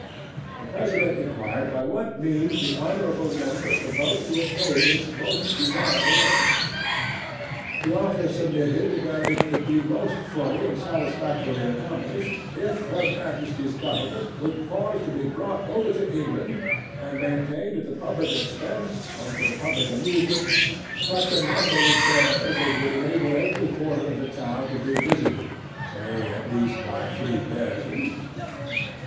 'THE PRESIDENT inquired by what means the honourable member proposed to attain this most desirable end? 'THE AUTHOR submitted that it could be most fully and satisfactorily accomplished, if Her Majesty's Government would cause to be brought over to England, and maintained at the public expense, and for the public amusement, such a number of bears as would enable every quarter of the town to be visited—say at least by three bears a week.